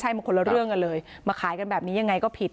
ใช่มันคนละเรื่องกันเลยมาขายกันแบบนี้ยังไงก็ผิด